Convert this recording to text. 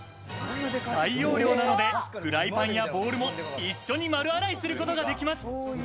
大容量なので、フライパンやボウルも、一緒に丸洗いすることができます。